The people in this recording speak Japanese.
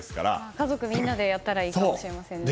家族みんなでやったらいいかもしれませんね。